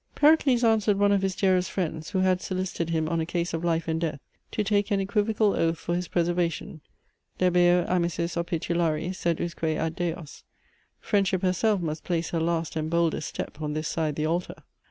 Pericles answered one of his dearest friends, who had solicited him on a case of life and death, to take an equivocal oath for his preservation: Debeo amicis opitulari, sed usque ad Deos . Friendship herself must place her last and boldest step on this side the altar.